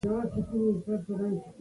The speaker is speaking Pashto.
زه په خپله هم پسې ګرځم.